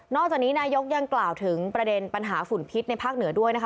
จากนี้นายกยังกล่าวถึงประเด็นปัญหาฝุ่นพิษในภาคเหนือด้วยนะคะ